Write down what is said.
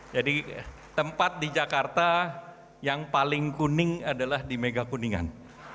jadi tempat di jakarta yang paling kuning adalah di mega kuningan